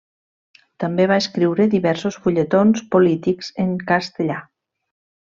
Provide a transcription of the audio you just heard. També va escriure diversos fulletons polítics en castellà.